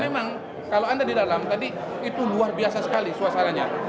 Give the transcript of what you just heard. dan memang kalau anda di dalam tadi itu luar biasa sekali suasananya